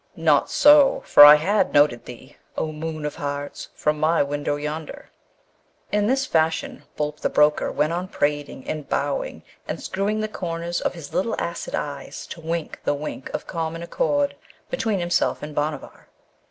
Not so, for I had noted thee, O moon of hearts, from my window yonder.' In this fashion Boolp the broker went on prating, and bowing, and screwing the corners of his little acid eyes to wink the wink of common accord between himself and Bhanavar.